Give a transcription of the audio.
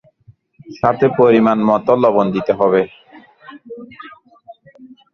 সাথে পরিমাণ মত লবণ দিতে হবে।